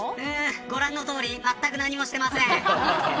ご覧のとおりまったく何もしてません。